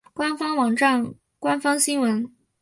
官方网站官方新闻